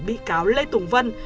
báo lê tùng vân